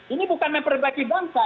ini bukan memperbaiki bangsa